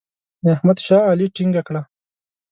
د احمد شا علي ټینګه کړه.